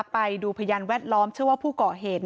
ไปดูพยานแวดล้อมเชื่อว่าผู้ก่อเหตุ